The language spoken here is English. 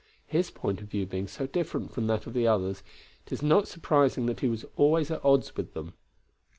His point of view being so different from that of the others, it is not surprising that he was always at odds with them.